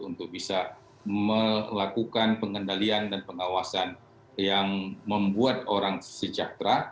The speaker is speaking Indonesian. untuk bisa melakukan pengendalian dan pengawasan yang membuat orang sejahtera